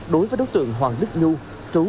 đối với đối tượng hoàng đức nhu